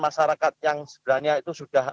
masyarakat yang sebenarnya itu sudah